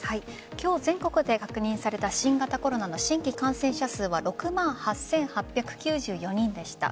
今日、全国で確認された新型コロナの新規感染者数は６万８８９４人でした。